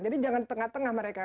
jadi jangan tengah tengah mereka